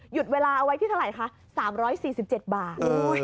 เวลาเอาไว้ที่เท่าไหร่คะ๓๔๗บาท